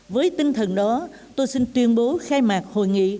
với tinh thần đó tôi xin tuyên bố khai mạc hội nghị